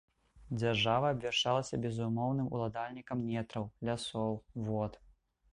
Дзяржава абвяшчалася безумоўным уладальнікам нетраў, лясоў, вод.